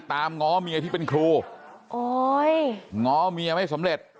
ง้อเมียที่เป็นครูโอ้ยง้อเมียไม่สำเร็จ